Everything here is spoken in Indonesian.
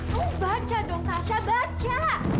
kamu baca dong tasya baca